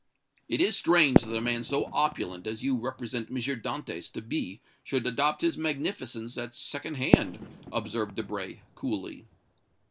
"It is strange that a man so opulent as you represent M. Dantès to be, should adopt his magnificence at second hand," observed Debray, coolly.